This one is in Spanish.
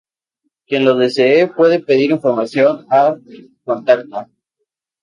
Quien lo desee puede pedir información a Contacta.